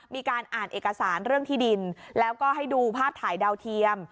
มีการอ่านเอกสารเรื่องที่ดินแล้วก็ให้ดูภาพถ่ายดาวเทียม